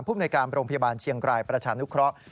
ผู้บริการโรงพยาบาลเชียงรายประชานุคร้อก